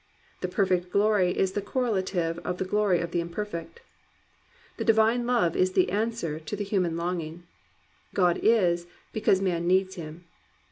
The Perfect Glory is the correlative of the glory of the imperfect. The Divine Love is the answer to the human longing. God is, because man needs Him.